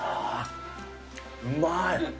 うまい。